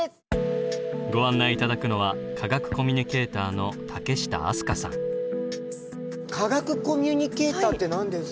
ご案内頂くのは科学コミュニケーターって何ですか？